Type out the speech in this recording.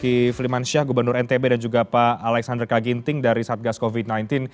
pak flimansyah gubernur ntb dan juga pak alexander kaginting dari satgas covid sembilan belas